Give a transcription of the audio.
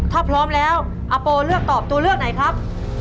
ถ้าพร้อมแล้วอาโปเลือกตอบตัวเลือกไหนครับ